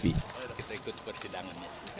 kita ikut persidangan ya